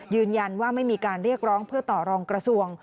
ยืนยันว่าไม่มีการเรียกร้องเพื่อต่อรองกระทรวง